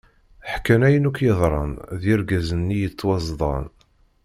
Ḥkan ayen akk yeḍran d yergazen-nni yettwazedɣen.